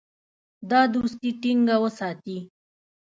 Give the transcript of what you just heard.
دا دوستي ټینګه وساتي.